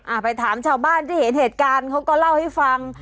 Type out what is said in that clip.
ไปถามชาวบ้านที่เห็นเหตุการณ์เขาก็เล่าให้ฟัง